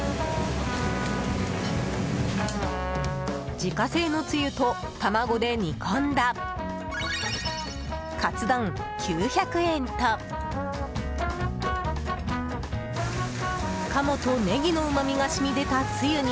自家製のつゆと卵で煮込んだかつ丼、９００円と鴨とネギのうまみが染み出たつゆに